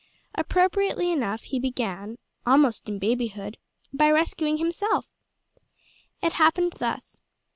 Appropriately enough he began almost in babyhood by rescuing himself! It happened thus.